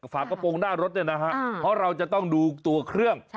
ฝากระโปรงหน้ารถเนี่ยนะฮะเพราะเราจะต้องดูตัวเครื่อง